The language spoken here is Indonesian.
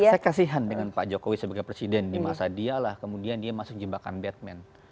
kalau saya saya kasihan dengan pak jokowi sebagai presiden di masa dialah kemudian dia masuk jembakan batman